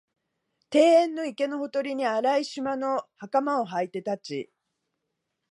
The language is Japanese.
庭園の池のほとりに、荒い縞の袴をはいて立ち、